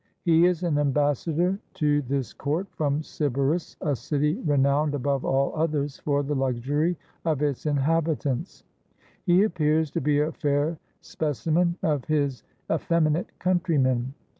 He is an ambassador to this court from Sybaris, a city re nowned above all others for the luxury of its inhabitants. He appears to be a fair specimen of his effeminate coun trymen.